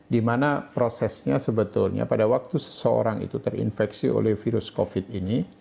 dimana prosesnya sebetulnya pada waktu seseorang itu terinfeksi oleh virus covid ini